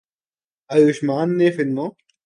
آیوشمان نے فلموں